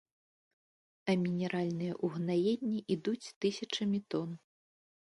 А мінеральныя ўгнаенні ідуць тысячамі тон.